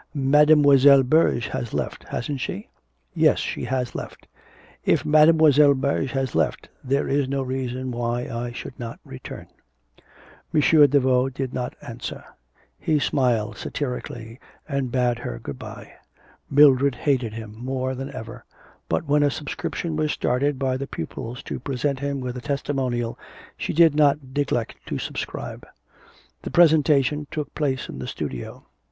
... Madlle. Berge has left, hasn't she?' 'Yes, she has left.' 'If Madlle. Berge has left, there is no reason why I should not return.' M. Daveau did not answer; he smiled satirically and bade her good bye. Mildred hated him more than ever, but when a subscription was started by the pupils to present him with a testimonial she did not neglect to subscribe. The presentation took place in the studio.